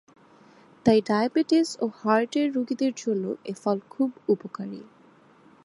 তাই ডায়াবেটিস ও হার্টের রোগীদের জন্য এ ফল খুব উপকারী।